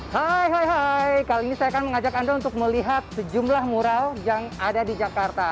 hai hai hai kali ini saya akan mengajak anda untuk melihat sejumlah mural yang ada di jakarta